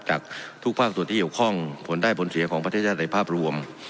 จากทุกภาคส่วนที่เกี่ยวข้องผลได้ผลเสียของประเทศชาติในภาพรวม